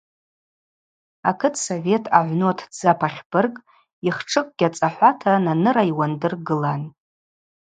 Акытсовет ъагӏвну атдзы апахьбырг йыхтшкӏгьи ацӏахӏвата Наныра йуандыр гылан.